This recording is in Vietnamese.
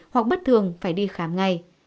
hoặc bất thường phải đi khám ngay